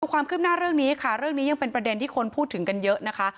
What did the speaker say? ความคืบหน้าเรื่องนี้ค่ะเรื่องนี้ยังเป็นประเด็นที่คนพูดถึงกันเยอะนะคะ